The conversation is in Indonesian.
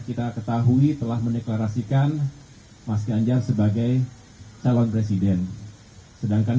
kita ketahui telah mendeklarasikan mas ganjar sebagai calon presiden sedangkan